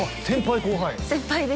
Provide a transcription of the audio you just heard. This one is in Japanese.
先輩後輩？